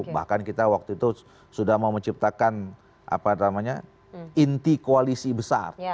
bahkan kita waktu itu sudah mau menciptakan inti koalisi besar